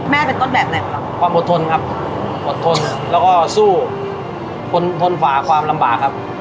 เป็นต้นแบบไหนครับความอดทนครับอดทนแล้วก็สู้ทนทนฝ่าความลำบากครับ